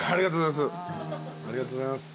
ありがとうございます。